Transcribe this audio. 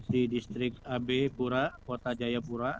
di distrik ab pura kota jayapura